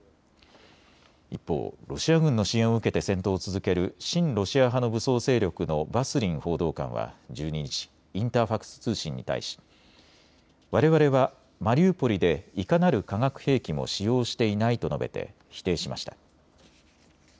一方、ロシア軍の支援を受けて戦闘を続ける親ロシア派の武装勢力のバスリン報道官は１２日、インターファクス通信に対しわれわれはマリウポリでいかなる化学兵器も使用していないと述べて否定しました。